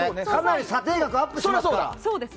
査定額がかなりアップしますから。